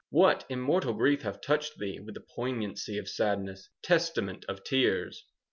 What immortal grief hath touched thee With the poignancy of sadness,— Testament of tears?